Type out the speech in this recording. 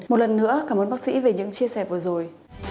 một lần nữa cảm ơn bác sĩ về những chia sẻ vừa rồi